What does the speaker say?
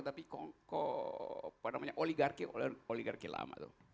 tapi kok oligarki lama